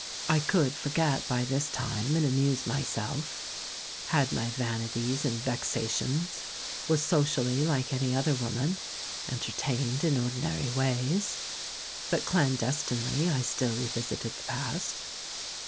I could forget by this time and amuse myself, had my vanities and vexations, was socially hke any other woman, entertained in ordinary ways, but clan destinely I still revisited the past.